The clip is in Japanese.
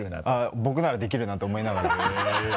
「僕ならできるな」と思いながら。